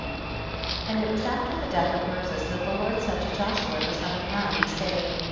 1. And it was after the death of Moses that the Lord said to Joshua the son of Nun, saying, 2.